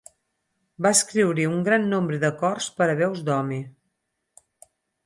Va escriure un gran nombre de cors per a veus d'home.